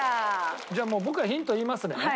じゃあもう僕がヒント言いますね。